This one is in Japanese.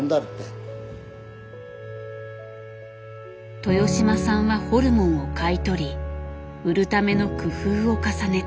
豊島さんはホルモンを買い取り売るための工夫を重ねた。